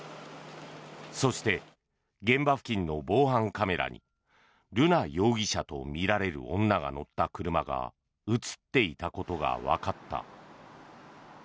そして、現場付近の防犯カメラに瑠奈容疑者とみられる女が乗った車が映っていたことがわかった。